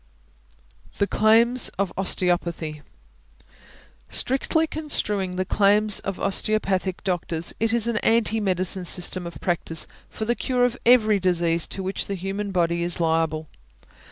THE CLAIMS OF OSTEOPATHY. Strictly construing the claims of osteopathic doctors, it is an anti medicine system of practice for the cure of every disease to which the human body is liable.